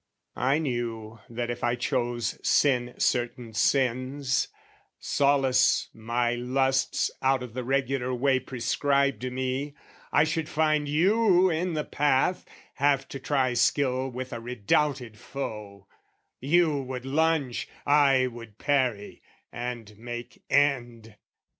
I knew that if I chose sin certain sins, Solace my lusts out of the regular way Prescribed me, I should find you in the path, Have to try skill with a redoubted foe; You would lunge, I would parry, and make end.